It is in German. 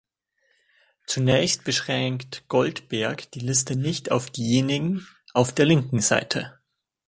Zunächst beschränkt Goldberg die Liste nicht auf diejenigen auf der linken Seite.